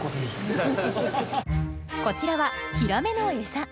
こちらはヒラメの餌。